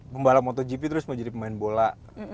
pembalap motogp terus mau jadi pemain bola